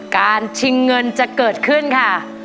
ชิงเงินจะเกิดขึ้นค่ะ